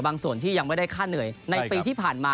ส่วนที่ยังไม่ได้ค่าเหนื่อยในปีที่ผ่านมา